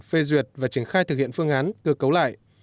phê duyệt và triển khai thực hiện phương án cơ cấu lại